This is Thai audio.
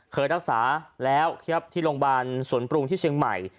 เคยรักษาแล้วครับที่โรงพยาบาลสวนปรุงที่เชียงใหม่